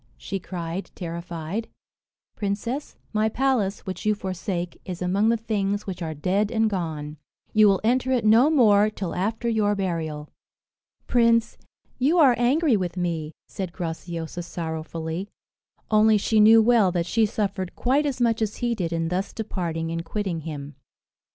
she cried, terrified. "Princess, my palace, which you forsake, is among the things which are dead and gone. You will enter it no more till after your burial." "Prince, you are angry with me," said Graciosa sorrowfully; only she knew well that she suffered quite as much as he did in thus departing and quitting him.